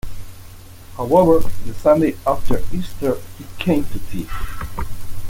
However, the Sunday after Easter he came to tea.